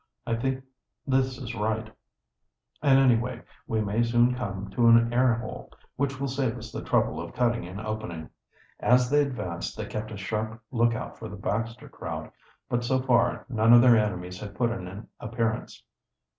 "I think this is right, and, anyway, we may soon come to an air hole, which will save us the trouble of cutting an opening." As they advanced they had kept a sharp lookout for the Baxter crowd, but so far none of their enemies had put in an appearance.